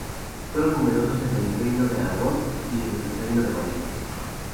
Fueron numerosos en el Reino de Aragón y en el Reino de Valencia.